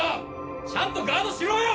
ちゃんとガードしろよ。